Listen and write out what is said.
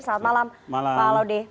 selamat malam pak laude